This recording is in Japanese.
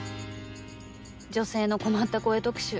「女性の困った声特集」